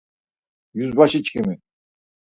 Yuzbaşiçkimi!